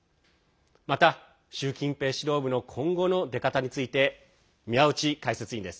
また習近平指導部の今後の出方について宮内解説委員です。